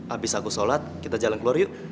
abis aku sholat kita jalan keluar yuk